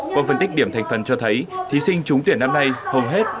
qua phân tích điểm thành phần cho thấy thí sinh trúng tuyển năm nay hầu hết